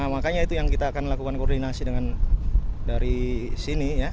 makanya itu yang kita akan lakukan koordinasi dengan dari sini ya